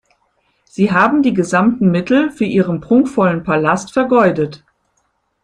Sie haben die gesamten Mittel für Ihren prunkvollen Palast vergeudet.